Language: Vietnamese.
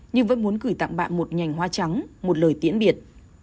nhưng vẫn muốn gửi tặng bạn một nhành hoa trắng một lời tiễn biệt